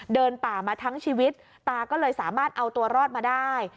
เดินป่ามาทั้งชีวิตตาก็เลยสามารถเอาตัวรอดมาได้